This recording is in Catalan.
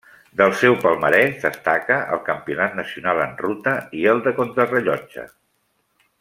Del seu palmarès destaca el Campionat nacional en ruta i el de contrarellotge.